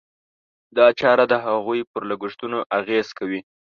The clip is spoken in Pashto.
دا چاره د هغوی پر لګښتونو اغېز کوي.